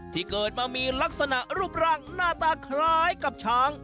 ที่เกิดมามีลักษณะรูปร่างหน้าตาคล้ายกับช้าง